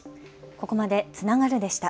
ここまでつながるでした。